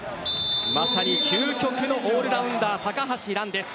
まさに究極のオールラウンダー高橋藍です。